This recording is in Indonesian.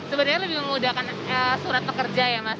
sebenarnya lebih memudahkan surat pekerja ya mas